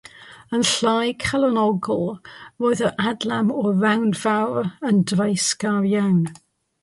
Yn llai calonogol, roedd yr adlam o'r rownd fawr yn dreisgar iawn.